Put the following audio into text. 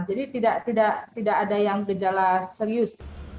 jadi tidak ada yang gejala serius